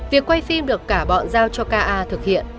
việc quay phim được cả bọn giao cho k a thực hiện